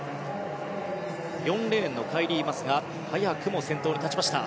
４レーンのカイリー・マスが早くも先頭に立ちました。